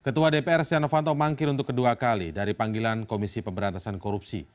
ketua dpr setia novanto mangkir untuk kedua kali dari panggilan komisi pemberantasan korupsi